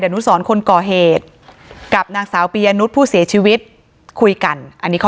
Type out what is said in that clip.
นุสรคนก่อเหตุกับนางสาวปียนุษย์ผู้เสียชีวิตคุยกันอันนี้ข้อ